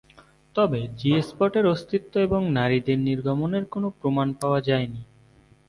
তবে জি-স্পটের অস্তিত্ব এবং নারীদের নির্গমনের কোন প্রমাণ পাওয়া যায়নি।